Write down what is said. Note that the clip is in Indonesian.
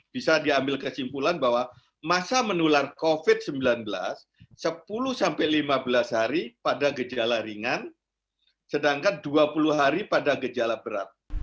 bisa diambil kesimpulan bahwa masa menular covid sembilan belas sepuluh sampai lima belas hari pada gejala ringan sedangkan dua puluh hari pada gejala berat